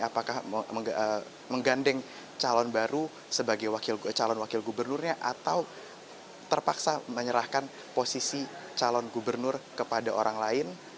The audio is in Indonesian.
apakah menggandeng calon baru sebagai calon wakil gubernurnya atau terpaksa menyerahkan posisi calon gubernur kepada orang lain